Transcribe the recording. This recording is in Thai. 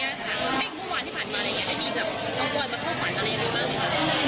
มีแบบต้องปล่อยมาเข้าฝันอะไรอย่างนี้บ้าง